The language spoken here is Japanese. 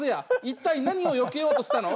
一体何をよけようとしたの？！